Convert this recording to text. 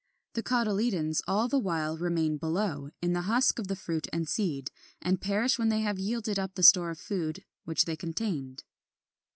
The cotyledons all the while remain below, in the husk of the fruit and seed, and perish when they have yielded up the store of food which they contained.